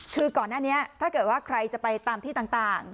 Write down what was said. คือก่อนหน้านี้ถ้าเกิดว่าใครจะไปตามที่ต่าง